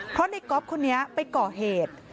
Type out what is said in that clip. เพราะในก๊อฟคนนี้ไปก่อเหตุ